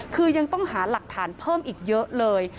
คือยังต้องหาหลักฐานเพิ่มอีกเยอะเลย